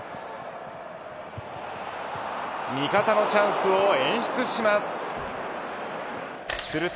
味方のチャンスを演出します。